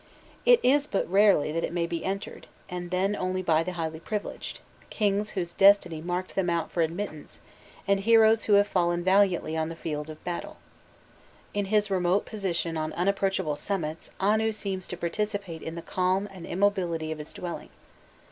It is but rarely that it may be entered, and then only by the highly privileged kings whose destiny marked them out for admittance, and heroes who have fallen valiantly on the field of battle. In his remote position on unapproachable summits Anu seems to participate in the calm and immobility of his dwelling.